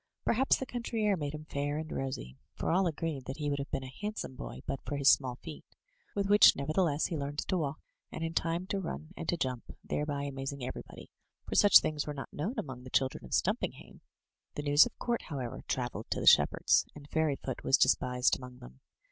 Perhaps the country air made him fair and rosy — for all agreed that he would have been a handsome boy but for his small feet, with which nevertheless he learned to walk, and in time to run and to jump, thereby amazing everybody, for such doings were not known among the children of Stumpinghame. The news of court, however, travelled to the shepherds, and Fairyfoot was despised among them.